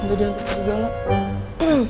nanti dia nanti juga lah